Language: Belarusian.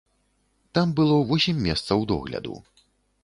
Там было восем месцаў догляду.